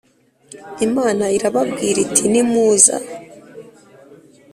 imana irababwira iti nimuza